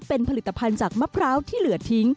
เป็นผลิตภัณฑ์จากมะพร้าวที่เหลือทิ้ง